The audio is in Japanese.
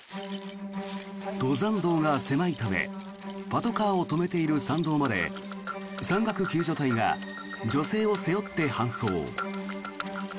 登山道が狭いためパトカーを止めている参道まで山岳救助隊が女性を背負って搬送。